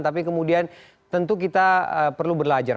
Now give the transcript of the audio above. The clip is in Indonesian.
tapi kemudian tentu kita perlu belajar